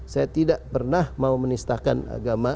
saya tidak pernah mau menistakan agama